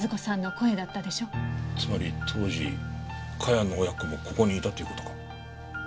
つまり当時茅野親子もここにいたっていう事か。